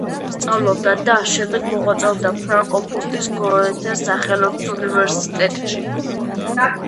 სწავლობდა და შემდეგ მოღვაწეობდა ფრანკფურტის გოეთეს სახელობის უნივერსიტეტში.